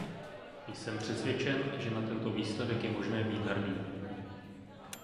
Jsem přesvědčen, že na tento výsledek je možné být hrdý.